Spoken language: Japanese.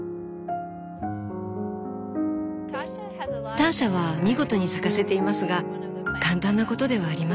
ターシャは見事に咲かせていますが簡単なことではありません。